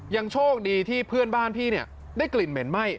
ยังโชคดีที่เพื่อนบ้านพี่ได้กลิ่นเหม็นไหม้